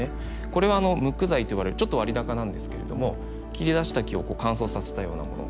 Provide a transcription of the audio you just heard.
これは無垢材といわれるちょっと割高なんですけれども切り出した木を乾燥させたようなもの。